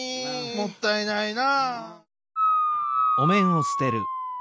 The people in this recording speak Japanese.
もったいないなぁ。